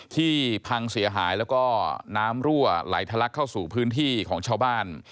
พังเสียหายแล้วก็น้ำรั่วไหลทะลักเข้าสู่พื้นที่ของชาวบ้าน